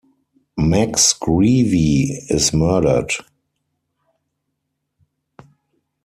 Max Greevey is murdered.